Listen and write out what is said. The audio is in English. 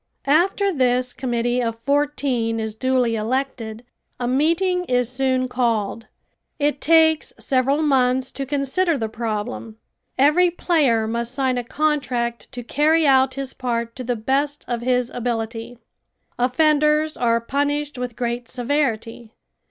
After this committee of fourteen is duly elected a meeting is soon called. It takes several months to consider the problem. Every player must sign a contract to carry out his part to the best of his ability. Offenders are punished with great severity.